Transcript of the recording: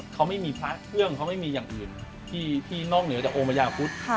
เขาไม่มีพระเครื่องเขาไม่มีอย่างอื่นที่นอกเหนือจากองค์พญาพุทธ